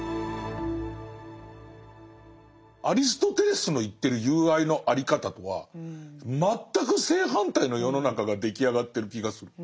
アリストテレスの言ってる友愛のあり方とは全く正反対の世の中が出来上がってる気がする。